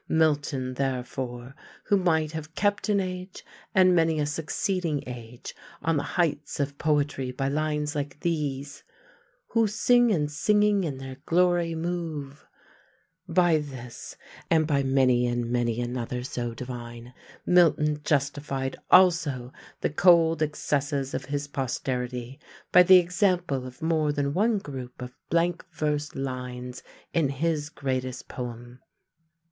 Milton, therefore, who might have kept an age, and many a succeeding age, on the heights of poetry by lines like these Who sing and singing in their glory move by this, and by many and many another so divine Milton justified also the cold excesses of his posterity by the example of more than one group of blank verse lines in his greatest poem.